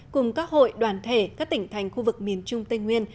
cùng các hội đoàn thể các tỉnh thành khu vực miền trung tây nguyên